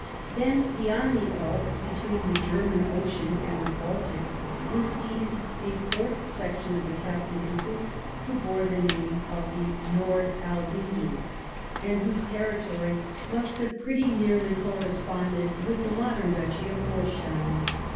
Then, beyond the Elbe, between the German Ocean and the Baltic was seated a fourth section of the Saxon ])eople who bore the name of the Nord albingians, and whose territory must have pretty nearly cor responded with the modern duchy of llolstein.